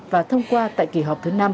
và thông qua tại kỳ họp thứ năm